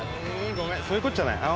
ごめんそういうこっちゃない。